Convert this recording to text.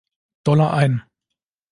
Dollar ein.